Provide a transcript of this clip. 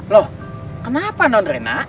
loh kenapa nondrena